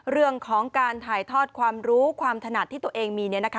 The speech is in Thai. เรื่องของการถ่ายทอดความรู้ความถนัดที่ตัวเองมี